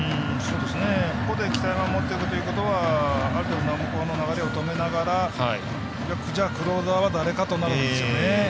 ここで北山を持ってくるということはある程度向こうの流れを止めながらじゃあクローザーは誰かとなるわけですよね。